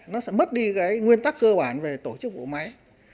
nó sẽ mất đi cái nguyên tắc cơ bản về tổ chức bộ máy